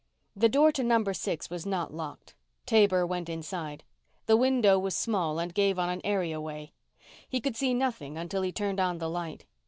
The door to number six was not locked. Taber went inside. The window was small and gave on an areaway. He could see nothing until he turned on the light.